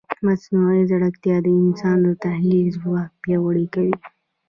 مصنوعي ځیرکتیا د انسان د تحلیل ځواک پیاوړی کوي.